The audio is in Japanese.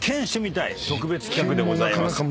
特別企画でございます。